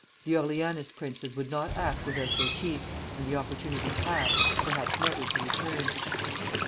The Orleanist princes would not act without their chief, and the opportunity passed, perhaps never to return."